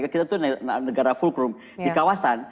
kita tuh negara fulcrum di kawasan